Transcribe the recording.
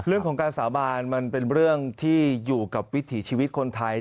เรื่องของการสาบานมันเป็นเรื่องที่อยู่กับวิถีชีวิตคนไทย